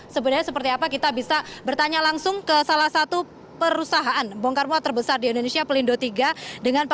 sebenarnya seperti apa kita bisa bertanya langsung ke salah satu perusahaan bongkar mot terbesar di indonesia pelindo iii dengan bapak edi suyanto kepala huma